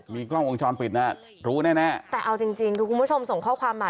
มีกล้องวงจรปิดน่ะรู้แน่แต่เอาจริงคุณผู้ชมส่งข้อความมา